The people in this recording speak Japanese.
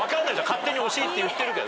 勝手に惜しいって言ってるけど。